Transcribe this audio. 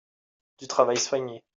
du travail soigné.